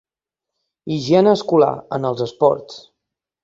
Higiene escolar, en els esports.